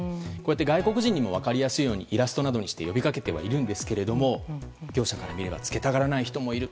外国人にも分かりやすいようにイラストなどにして呼びかけてはいるんですが業者から見れば着けたがらない人もいる。